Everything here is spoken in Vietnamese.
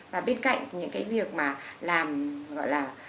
và bên cạnh những cái việc mà làm gọi là